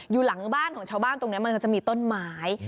อยู่หลังบ้านของชาวบ้านตรงนี้มันก็จะมีต้นไม้